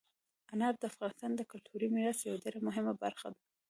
انار د افغانستان د کلتوري میراث یوه ډېره مهمه برخه ده.